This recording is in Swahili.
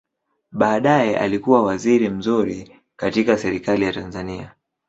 Baadaye alikua waziri mzuri katika Serikali ya Tanzania.